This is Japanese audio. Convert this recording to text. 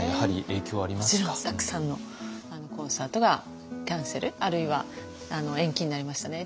たくさんのコンサートがキャンセルあるいは延期になりましたね。